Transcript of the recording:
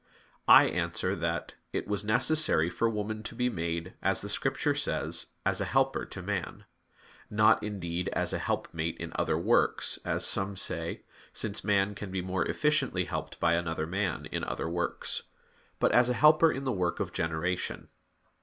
I answer that, It was necessary for woman to be made, as the Scripture says, as a helper to man; not, indeed, as a helpmate in other works, as some say, since man can be more efficiently helped by another man in other works; but as a helper in the work of generation.